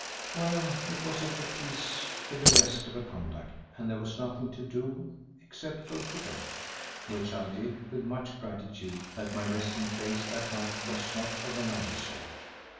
Well, it was of a piece with the rest of her conduct and there was nothing to do except go to bed, which I did with much gratitude that my resting place that night was not of another sort.